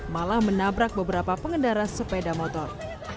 malah menabrak beberapa pengendara sepeda motor